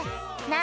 な！